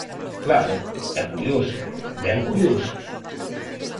Claro, é curioso; ben curioso.